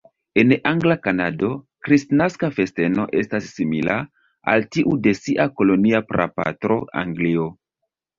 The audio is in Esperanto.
En angla Kanado, kristnaska festeno estas simila al tiu de sia kolonia prapatro, Anglio.